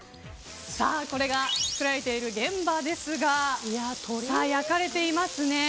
これが作っている現場ですが焼かれていますね。